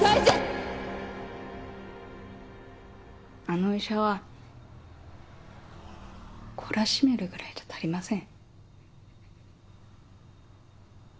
あの医者は懲らしめるぐらいじゃ足りません。